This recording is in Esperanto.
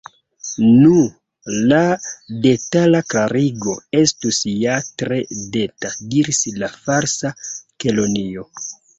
"Nu, la detala klarigo estus ja tre teda," diris la Falsa Kelonio.